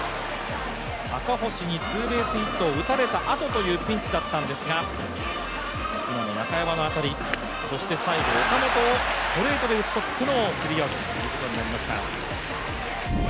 赤星にツーベースヒットを打たれたあとというピンチだったんですが中山の当たり、そして最後岡本をストレートで打ち取ってのスリーアウトになりました。